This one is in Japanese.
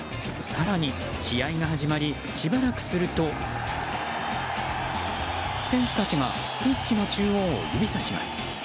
更に試合が始まりしばらくすると選手たちがピッチの中央を指さします。